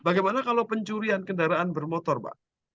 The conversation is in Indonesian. bagaimana kalau pencurian kendaraan bermotor pak